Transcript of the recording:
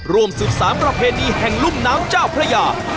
รวม๑๓ประเพณีแห่งลุ่มน้ำเจ้าพระยา